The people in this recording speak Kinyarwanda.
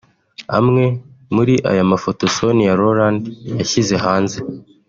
Amwe muri aya mafoto Sonia Rolland yashyize hanze